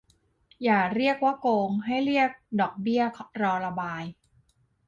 ขออย่าเรียกว่าโกง ให้เรียกดอกเบี้ยรอระบาย